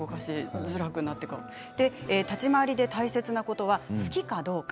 立ち回りで大切なことは好きかどうか。